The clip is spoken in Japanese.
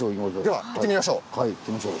では行ってみましょう！